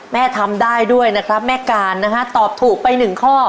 ทำได้ด้วยนะครับแม่การนะฮะตอบถูกไป๑ข้อ